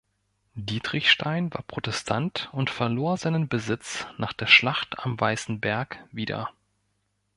Dietrichstein war Protestant und verlor seinen Besitz nach der Schlacht am Weißen Berg wieder.